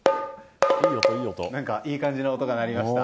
いい感じの音が鳴りました。